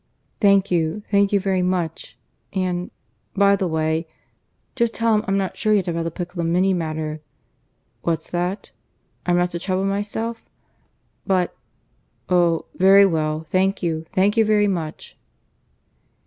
Thank you, thank you very much. ... and ... by the way ... just tell him I'm not sure yet about the Piccolomini matter. ... What's that? I'm not to trouble myself? ... But ... Oh! very well. Thank you. ... Thank you very much."